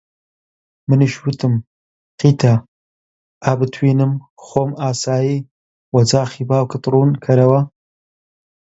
منیش وتم: قیتە! ئا بتوینم خۆم ئاسایی وەجاخی باوکت ڕوون کەرەوە